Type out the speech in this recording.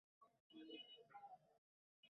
তোর অত আন্দাজ করবার দরকার কী ভাই?